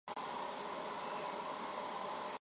可溶于多数有机溶剂。